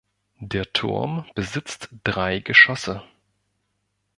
Der Turm besitzt drei Geschosse.